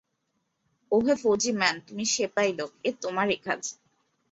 ওহে ফৌজি-ম্যান, তুমি সেপাই লোক, এ তোমারি কাজ।